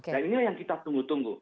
dan inilah yang kita tunggu tunggu